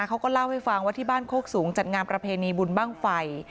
เขาก็เล่าให้ฟังว่าที่บ้านโคกสูงจัดงานประเพณีบุญบ้างไฟ